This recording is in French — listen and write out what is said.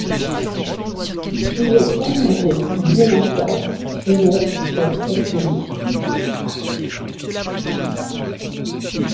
Il est amoureux d'Hinata mais est très timide.